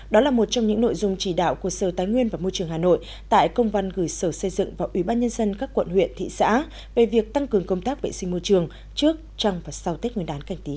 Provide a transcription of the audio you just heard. đó là một trong những nội dung chỉ đạo của sở tái nguyên và môi trường hà nội tại công văn gửi sở xây dựng và ủy ban nhân dân các quận huyện thị xã về việc tăng cường công tác vệ sinh môi trường trước trong và sau tết nguyên đán cành tý hai nghìn hai mươi